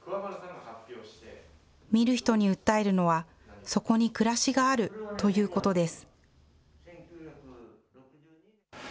見る人に訴えるのは、そこに暮らしがあるということです。